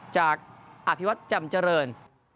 จากอภิวัตรจำเจริญ